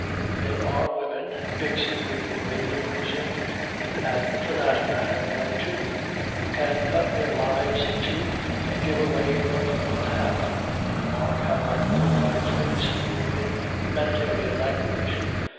"There are women," Bixiou gravely resumed, "and for that matter, men too, who can cut their lives in two and give away but one half. (Remark how I word my phrase for you in humanitarian language.)